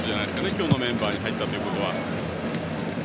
今日のメンバーに入ったということは。